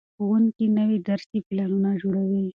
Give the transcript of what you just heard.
ښوونکي نوي درسي پلانونه جوړوي.